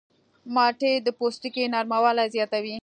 مالټې د پوستکي نرموالی زیاتوي.